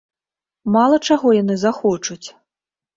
Мала чаго яны захочуць!